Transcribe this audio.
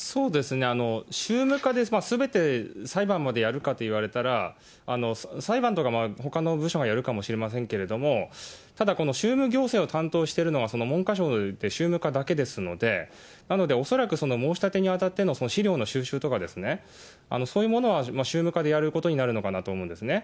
宗務課ですべて裁判までやるかと言われたら、裁判とかはほかの部署がやるかもしれませんけれども、ただ、この宗務行政を担当しているのは文科省で宗務課だけですので、なので恐らく申し立てにあたっての資料の収集とかですね、そういうものは宗務課でやることになるのかなと思うんですね。